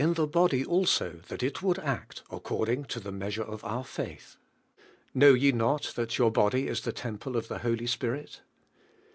the jmdj; aiso that it would act according to the measure of our faith. "Know ye not th&i your body is lie leinpleof the Hoh Spirit?"